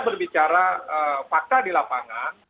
berbicara fakta di lapangan